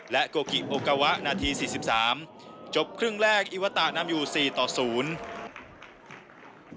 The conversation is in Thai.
โกกิโอกาวะนาทีสี่สิบสามจบครึ่งแรกอิวตะนำอยู่สี่ต่อศูนย์